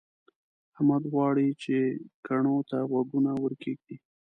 احمد غواړي چې کڼو ته غوږونه ورکېږدي.